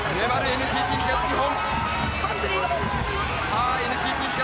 ＮＴＴ東日本